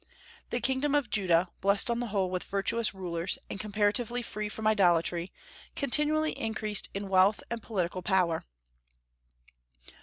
The kingdom of Judah, blessed on the whole with virtuous rulers, and comparatively free from idolatry, continually increased in wealth and political power.